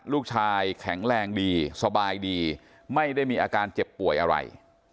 ลูกชายแข็งแรงดีสบายดีไม่ได้มีอาการเจ็บป่วยอะไร